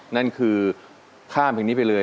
นั่นคือข้ามเพลงนี้ไปเลย